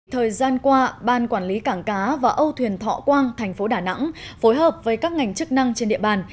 thời gian qua ban quản lý cảng cá và âu thuyền thọ quang thành phố đà nẵng phối hợp với các ngành chức năng trên địa bàn